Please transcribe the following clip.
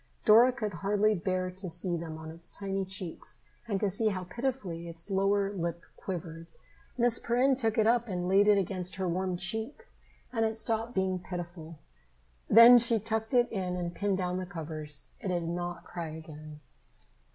Dora could hardly bear to see them on its tiny cheeks and to see how pitifully its lower lip quivered. Miss Perrin took it up and laid it against her warm cheek and it stopped being pitiful. Then she tucked it in and pinned down the covers. It did not cry again.